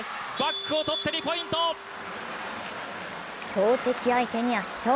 強敵相手に圧勝。